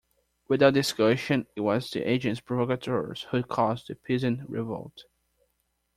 Without discussion, it was the agents provocateurs who caused the Peasant Revolt.